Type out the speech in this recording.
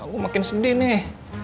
gua makin sedih nih